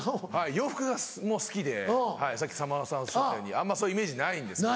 洋服も好きでさっきさんまさんおっしゃったようにあんまそういうイメージないんですけど。